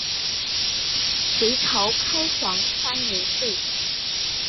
隋朝开皇三年废。